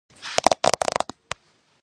გესტაპო ითვლება ნაციზმის ტერორის სიმბოლოდ.